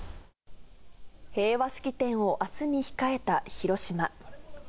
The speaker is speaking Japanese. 平和式典をあすに控えた広島。